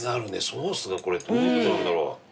ソースがこれどういうことなんだろう？